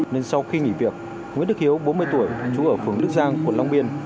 nên sau khi nghỉ việc nguyễn đức hiếu bốn mươi tuổi chú ở phường đức giang quận long biên